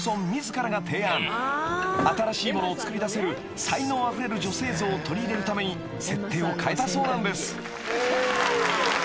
［新しいものを作り出せる才能あふれる女性像を取り入れるために設定を変えたそうなんです］